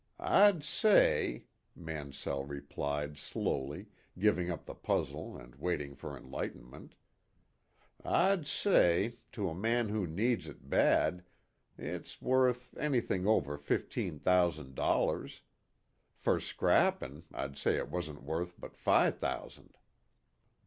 "I'd say," Mansell replied slowly, giving up the puzzle and waiting for enlightenment "I'd say, to a man who needs it bad, it's worth anything over fifteen thousand dollars. Fer scrappin', I'd say it warn't worth but fi' thousand."